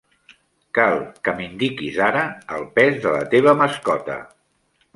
Cal que m'indiquis ara el pes de la teva mascota.